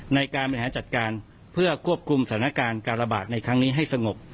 ในการบริหารจัดการเพื่อควบคุมสถานการณ์การระบาดในครั้งนี้ให้สงบ